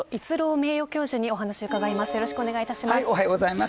名誉教授にお話を伺います。